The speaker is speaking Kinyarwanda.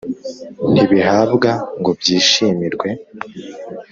ntibihabwa ngo byishimirwe